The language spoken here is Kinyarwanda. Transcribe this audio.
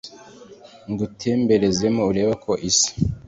ngutemberezemo urebe uko isa